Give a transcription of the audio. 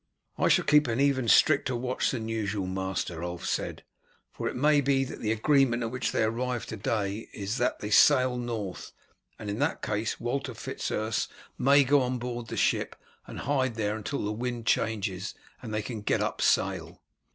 "I shall keep even a stricter watch than usual, master," Ulf said, "for it may be that the agreement at which they arrived to day is that they sail north, and in that case Walter Fitz Urse may go on board the ship, and hide there until the wind changes and they can get up sail."